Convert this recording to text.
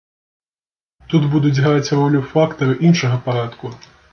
Тут будуць граць ролю фактары іншага парадку.